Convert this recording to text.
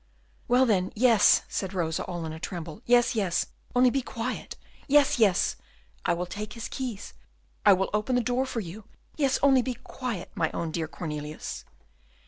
"Well, then, yes," said Rosa, all in a tremble. "Yes, yes, only be quiet. Yes, yes, I will take his keys, I will open the door for you! Yes, only be quiet, my own dear Cornelius."